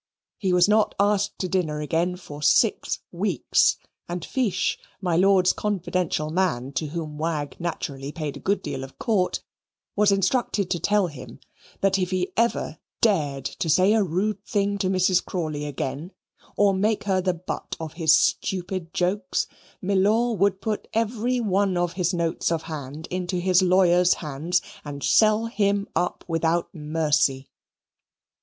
He was not asked to dinner again for six weeks; and Fiche, my lord's confidential man, to whom Wagg naturally paid a good deal of court, was instructed to tell him that if he ever dared to say a rude thing to Mrs. Crawley again, or make her the butt of his stupid jokes, Milor would put every one of his notes of hand into his lawyer's hands and sell him up without mercy.